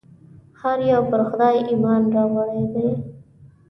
هر یو پر خدای ایمان راوړی دی.